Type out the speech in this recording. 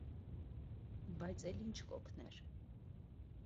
Բայց էլ ինչ կօգներ.